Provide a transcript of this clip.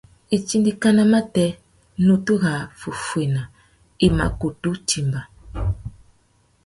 Itindikana matê, nutu râ wuffuéna i mà kutu timba.